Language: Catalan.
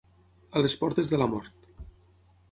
A les portes de la mort.